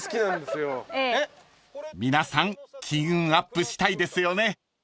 ［皆さん金運アップしたいですよね］